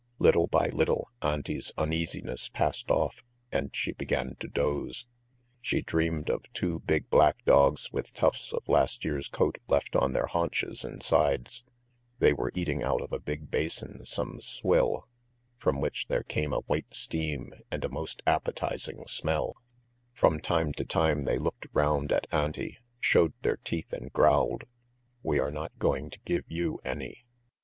Little by little Auntie's uneasiness passed off and she began to doze. She dreamed of two big black dogs with tufts of last year's coat left on their haunches and sides; they were eating out of a big basin some swill, from which there came a white steam and a most appetising smell; from time to time they looked round at Auntie, showed their teeth and growled: "We are not going to give you any!"